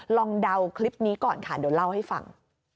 เดาคลิปนี้ก่อนค่ะเดี๋ยวเล่าให้ฟัง